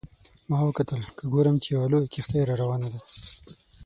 ما وکتل که ګورم چې یوه لویه کښتۍ را روانه ده.